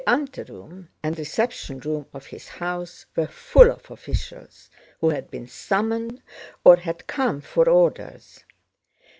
The anteroom and reception room of his house were full of officials who had been summoned or had come for orders.